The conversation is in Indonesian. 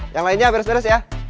yang lainnya beres beres ya